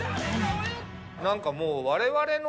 何かもう。